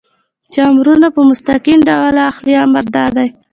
چې امرونه په مستقیم ډول اخلئ، امر دا دی.